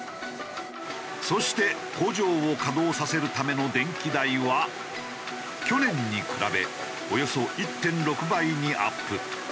そして工場を稼働させるための電気代は去年に比べおよそ１．６倍にアップ。